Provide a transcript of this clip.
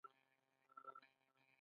ایا ستاسو بار به سپک وي؟